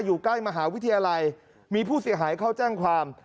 อยู่ใกล้มหาวิทยาลัยมีผู้เสียหายเข้าแจ้งความ